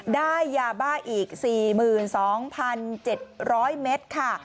ได้ยาบ้าอีก๔๒๗๐๐เมตรค่ะ